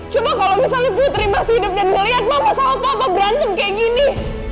cuma kalo misalnya putri masih hidup dan ngeliat papa sama papa berantem kayak gini